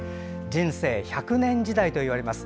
人生１００年時代といわれます。